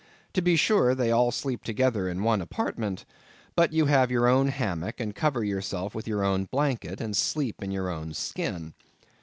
To be sure they all sleep together in one apartment, but you have your own hammock, and cover yourself with your own blanket, and sleep in your own skin.